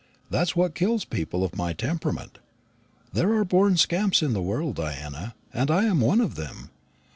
That's what kills people of my temperament. There are born scamps in the world, Diana, and I am one of them.